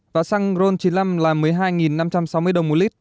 và xăng ron chín mươi năm là một mươi hai năm trăm sáu mươi đồng một lít